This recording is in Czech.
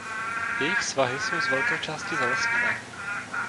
Jejich svahy jsou z velké části zalesněné.